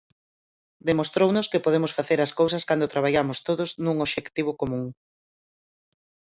Demostrounos que podemos facer as cousas cando traballamos todos nun obxectivo común.